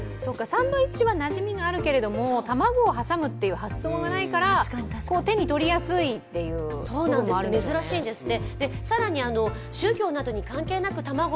サンドイッチはなじみがあるけれども、卵を挟むという発想がないから手に取りやすいということもあるみたいですね。